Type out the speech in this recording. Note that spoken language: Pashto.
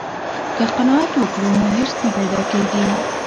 که قناعت وکړو نو حرص نه پیدا کیږي.